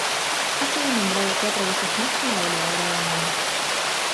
Ha sido nombrada cuatro veces máxima goleadora de honor.